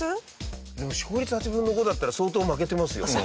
でも勝率８分の５だったら相当負けてますよ。